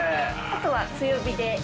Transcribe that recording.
あとは強火で。